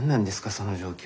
その状況。